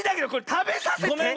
たべさせて。